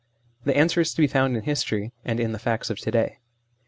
The answer is to be found in history, and in the facts of to day.